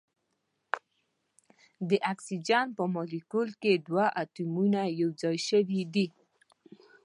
د اکسیجن په مالیکول کې دوه اتومونه یو ځای شوي دي.